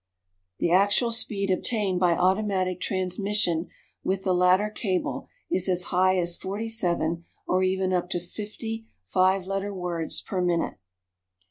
] The actual speed obtained by automatic transmission with the latter cable is as high as forty seven (or even up to fifty) five letter words per minute.